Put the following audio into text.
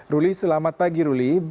ruli selamat pagi ruli